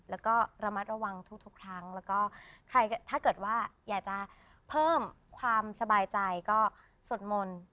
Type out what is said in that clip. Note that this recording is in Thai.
แล้วก็ระมัดระวังทุกครั้งแล้วก็ใครถ้าเกิดว่าอยากจะเพิ่มความสบายใจก็สวดมนต์